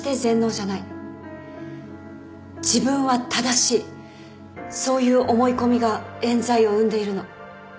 自分は正しいそういう思い込みが冤罪を生んでいるの。